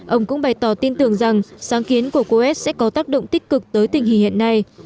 ông cũng bày tỏ tin tưởng rằng sáng kiến của coes sẽ có tác động tích cực tới tình hình hiện nay